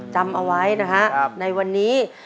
จำเอาไว้นะฮะในวันนี้